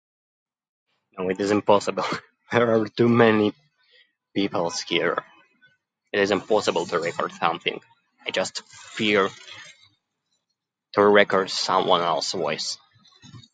No it is impossible, there are too many peoples here. It is impossible to record something. I just fear to record someone else voice.